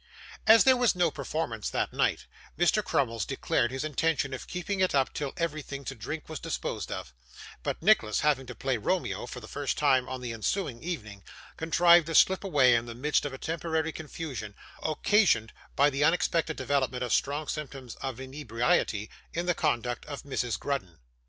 As there was no performance that night, Mr. Crummles declared his intention of keeping it up till everything to drink was disposed of; but Nicholas having to play Romeo for the first time on the ensuing evening, contrived to slip away in the midst of a temporary confusion, occasioned by the unexpected development of strong symptoms of inebriety in the conduct of Mrs. Grudden.